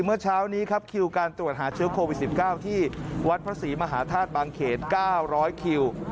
เมื่อเช้านี้ครับคิวการตรวจหาเชื้อโควิด๑๙ที่วัดพระศรีมหาธาตุบางเขต๙๐๐คิว